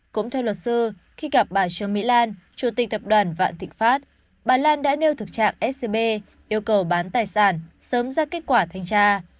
cũng theo luật sư khi gặp bà trương mỹ lan chủ tịch tập đoàn vạn thịnh pháp bà lan đã nêu thực trạng scb yêu cầu bán tài sản sớm ra kết quả thanh tra